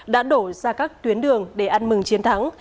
đã đổ ra các tuyến đường để ăn mừng chiến thắng